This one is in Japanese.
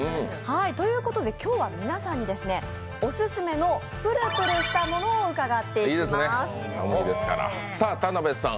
ということで、今日は皆さんにオススメのプルプルしたものを伺っていきます。